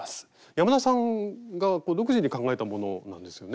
山田さんが独自に考えたものなんですよね？